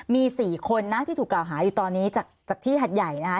มี๔คนนะที่ถูกกล่าวหาอยู่ตอนนี้จากที่หัดใหญ่นะคะ